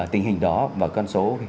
tình hình đó và con số